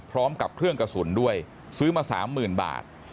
พร้อมกับเครื่องกระสุนด้วยซื้อมา๓๐๐๐บาท